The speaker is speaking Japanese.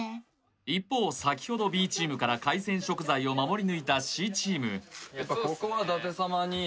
一方先ほどＢチームから海鮮食材を守り抜いたＣチームそうですね